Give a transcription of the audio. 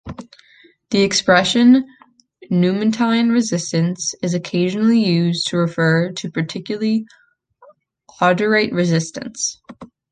The expression "numantine resistance" is occasionally used to refer to particularly obdurate resistance.